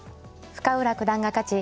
深浦九段が勝ち